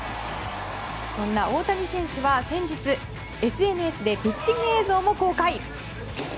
そんな大谷選手は先日、ＳＮＳでピッチング映像も公開。